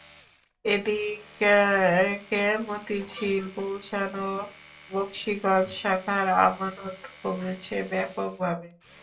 এদিকে মতিঝিল, গুলশান ও বকশীগঞ্জ শাখার আমানত কমেছে ব্যাপকভাবে।